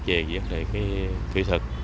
về vấn đề kỹ thuật